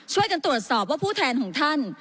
ช่วยกันตรวจสอบว่าผู้แทนของท่าน